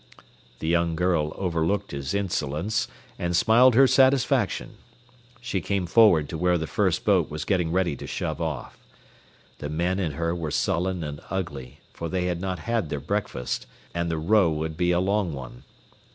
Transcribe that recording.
The young girl overlooked his insolence, and smiled her satisfaction. She came forward to where the first boat was getting ready to shove off. The men in her were sullen and ugly, for they had not had their breakfast, and the row would be a long one.